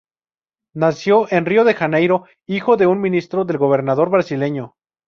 Nació en Río de Janeiro, hijo de un ministro del gobierno brasileño.